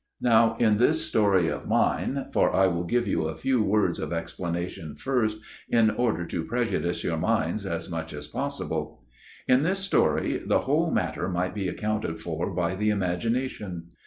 Now in this story of 268 A MIRROR OF SHALOTT mine for I will give you a few words of explanation first in order to prejudice your minds as much as possible ; in this story the whole matter might be accounted for by the imagina tion.